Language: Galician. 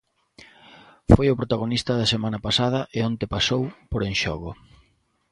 Foi o protagonista da semana pasada e onte pasou por En Xogo.